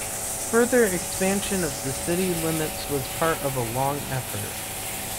Further expansion of the city limits was part of a long effort.